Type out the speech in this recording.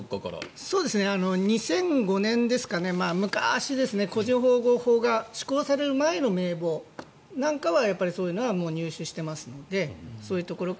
２００５年ですかね昔、個人情報保護法が施行される前の名簿なんかはやっぱりそういうのは入手してますのでそういうところから。